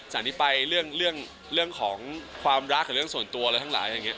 จากนี้ไปเรื่องของความรักเรื่องส่วนตัวอะไรทั้งหลาย